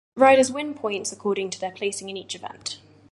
Riders win points according to their placing in each event.